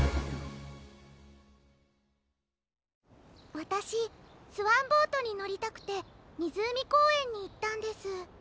わたしスワンボートにのりたくてみずうみこうえんにいったんです。